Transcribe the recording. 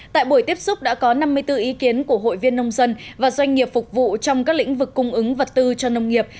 tại buổi tiếp xúc đã có năm mươi bốn ý kiến của hội viên nông dân và doanh nghiệp phục vụ trong các lĩnh vực cung ứng vật tư cho nông nghiệp